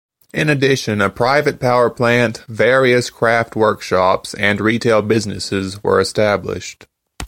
In addition, a private power plant, various craft workshops, and retail businesses were established.